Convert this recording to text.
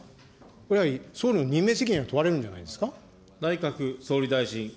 これはやはり総理の任命責任が問われるんじゃないですか。